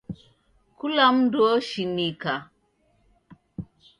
Kula mndu oshinika.